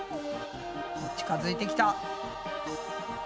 近づいてきた。